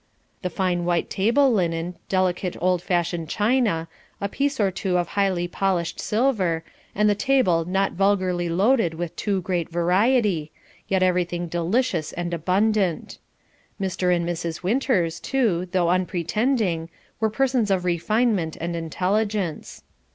The fine white table linen, delicate old fashioned china, a piece or two of highly polished silver, and the table not vulgarly loaded with too great variety, yet everything delicious and abundant. Mr. and Mrs. Winters, too, though unpretending, were persons of refinement and intelligence.